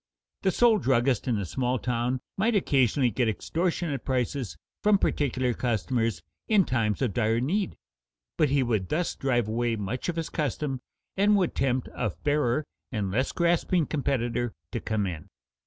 The sole druggist in a small town might occasionally get extortionate prices from particular customers in times of dire need, but he would thus drive away much of his custom, and would tempt a fairer and less grasping competitor to come in.